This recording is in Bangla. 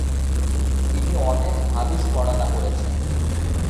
তিনি অনেক হাদিস বর্ণনা করেছেন।